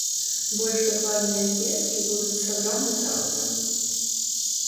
Больш дакладныя звесткі будуць сабраны заўтра.